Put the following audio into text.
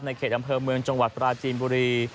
เขตอำเภอเมืองจังหวัดปราจีนบุรี